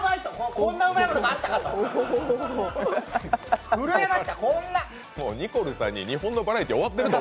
こんなうまいものがあったかと震えました、こんなニコルさんに日本のバラエティー終わってると